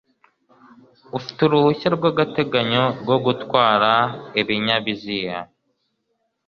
ufite uruhushya rw'agateganyo rwo gutwara ibinyabiziea